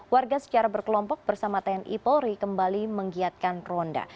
warga secara berkelompok bersama tnipolri kembali menggiatkan ronda